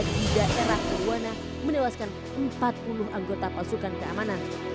di daerah purwana menewaskan empat puluh anggota pasukan keamanan